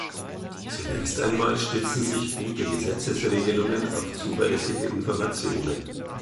Zunächst einmal stützen sich gute Gesetzesregelungen auf zuverlässige Informationen.